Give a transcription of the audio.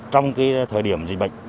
trong thời điểm dịch bệnh